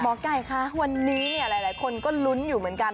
ไก่คะวันนี้เนี่ยหลายคนก็ลุ้นอยู่เหมือนกัน